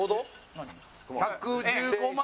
１１５万